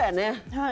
はい。